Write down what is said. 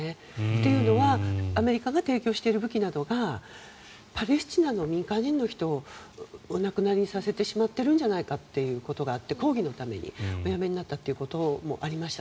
というのは、アメリカが提供している武器などがパレスチナの民間人の人お亡くなりにさせてるんじゃないかということがあって抗議のためにお辞めになったということもありました。